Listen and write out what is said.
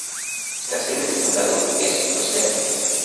La sede del condado es Roseau.